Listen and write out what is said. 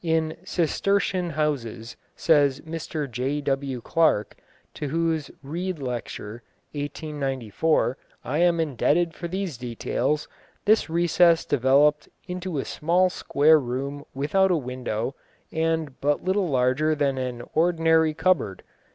In Cistercian houses, says Mr J. W. Clark, to whose Rede Lecture (1894) I am indebted for these details, this recess developed "into a small square room without a window, and but little larger than an ordinary cupboard.